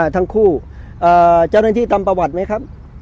ทั้งคู่เจ้าหน้าที่ทำประวัติไหมครับ